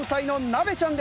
なべちゃん！